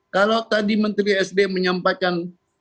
kalau tadi menteri sd menyampaikan